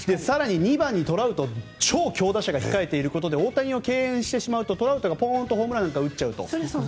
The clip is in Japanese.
更に２番にトラウトという強打者が控えていることで大谷を敬遠してしまうとトラウトがホームランを打っちゃうと。